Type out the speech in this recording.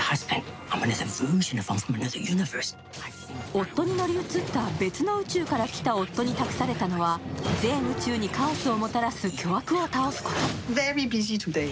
夫に乗り移った、別の宇宙から来た夫に託されたのは全宇宙にカオスをもたらす巨悪を倒すこと。